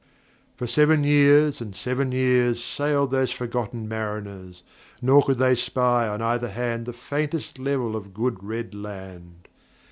For seven years and seven years Sailed those forgotten mariners, Nor could they spy on either hand The faintest level of good red land.